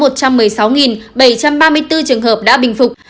trong hai mươi bốn trường hợp đã bình phục